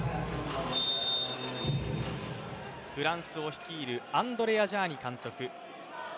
フランスを率いるアンドレア・ジャーニ監督。